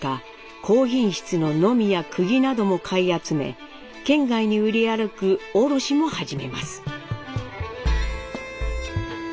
高品質のノミやクギなども買い集め県外に売り歩く卸も始めます。